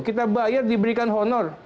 kita bayar diberikan honor